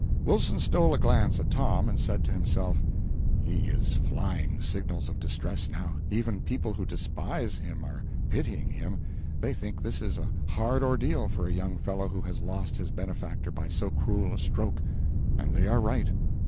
Wilson stole a glance at Tom, and said to himself, "He is flying signals of distress, now; even people who despise him are pitying him; they think this is a hard ordeal for a young fellow who has lost his benefactor by so cruel a stroke and they are right."